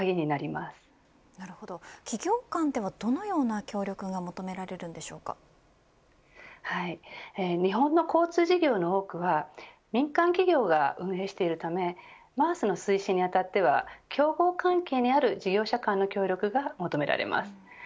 なるほど企業間ではどのような協力が日本の交通事業の多くは民間企業が運営しているためＭａａＳの推進にあたっては競合関係にある事業者間の協力が求められます。